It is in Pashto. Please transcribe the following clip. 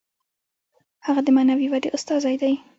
هغه د معنوي ودې استازی دی.